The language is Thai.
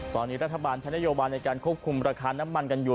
ตอนนี้รัฐบาลใช้นโยบายในการควบคุมราคาน้ำมันกันอยู่